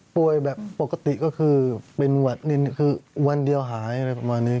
แบบปกติก็คือเป็นหวัดนินคือวันเดียวหายอะไรประมาณนี้